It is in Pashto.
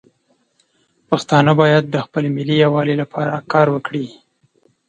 پښتانه باید د خپل ملي یووالي لپاره کار وکړي.